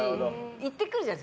言ってくるじゃん。